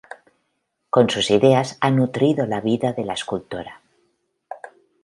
Con sus ideas ha nutrido la vida de la escultora.